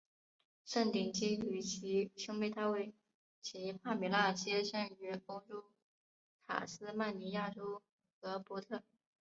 夏鼎基与其兄妹大卫及帕米娜皆生于澳洲塔斯曼尼亚州荷伯特。